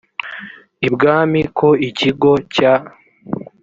ibwami ko ikigo cya